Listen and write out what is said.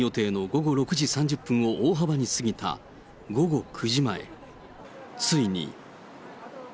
閉店予定の午後６時３０分を大幅に過ぎた午後９時前。